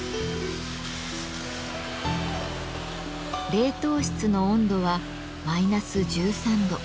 冷凍室の温度はマイナス１３度。